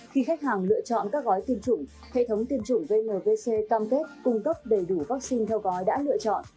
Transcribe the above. khi khách hàng lựa chọn các gói tiêm chủng hệ thống tiêm chủng vnvc cam kết cung cấp đầy đủ vaccine theo gói đã lựa chọn